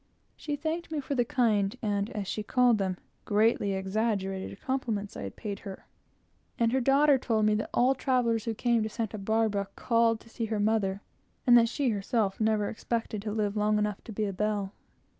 She thanked me for the kind and, as she called them, greatly exaggerated compliments I had paid her; and her daughter told me that all travellers who came to Santa Barbara called to see her mother, and that she herself never expected to live long enough to be a belle.